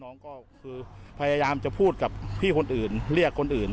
น้องก็คือพยายามจะพูดกับพี่คนอื่นเรียกคนอื่น